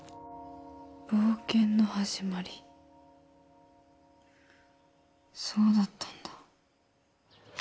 冒険の始まりそうだったんだ